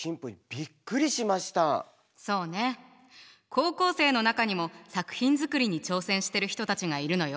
高校生の中にも作品づくりに挑戦してる人たちがいるのよ。